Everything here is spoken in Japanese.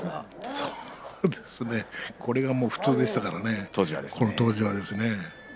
そうですね、これが普通でしたからね当時はね。